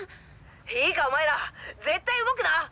いいかお前ら！絶対動くな！